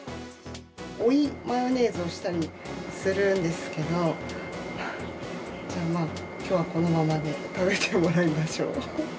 追いマヨネーズをしたりするんですけど、きょうはこのままで食べてもらいましょう。